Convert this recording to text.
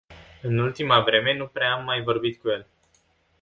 În ultima vreme nu prea am mai vorbit cu el.